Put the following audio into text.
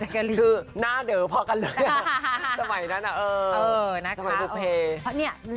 คือหน้าเดอะพอกันเลยสมัยนั้นน่ะสมัยลูกเพลย์